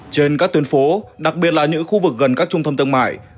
trên các tuyến phố đặc biệt là những khu vực gần các trung tâm thương mại